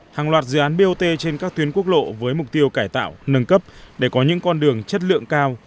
hàng loạt dự án bot trên các tuyến quốc lộ với mục tiêu cải tạo nâng cấp để có những con đường chất lượng cao